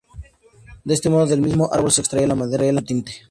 De este modo del mismo árbol se extrae la madera y su tinte.